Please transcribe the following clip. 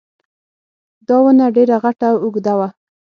دا ونه ډېره غټه او اوږده وه